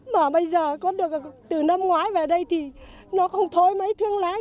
mà bây giờ có được từ năm ngoái về đây thì nó không thối mấy thương lái